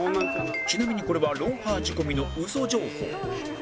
ちなみにこれは『ロンハー』仕込みの嘘情報